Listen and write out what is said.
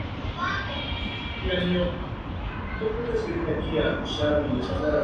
Fue el final del Califato de Córdoba.